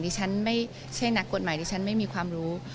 ไม่ใช่นักกฎหมายดิฉันไม่มีความรู้